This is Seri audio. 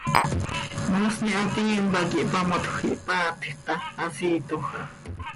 Moosni hatiin pac ihpamotjö, ihpaatj ta, hasiiitoj aha.